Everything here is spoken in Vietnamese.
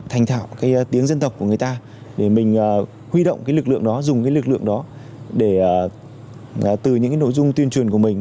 thành thảo tiếng dân tộc của người ta để mình huy động lực lượng đó dùng lực lượng đó từ những nội dung tuyên truyền của mình